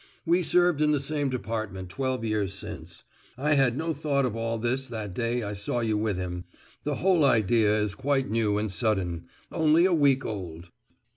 We served in the same department twelve years since. I had no thought of all this that day I saw you with him; the whole idea is quite new and sudden—only a week old."